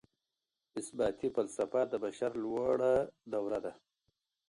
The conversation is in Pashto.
اثباتي فلسفه د بشر لوړه دوره ده.